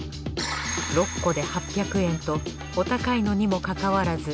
６個で８００円とお高いのにもかかわらず